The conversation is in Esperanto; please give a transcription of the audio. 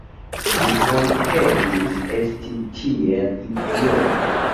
Mi hontegis esti tiel idiota.